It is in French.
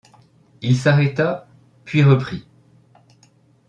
il s’arrêta ; puis reprit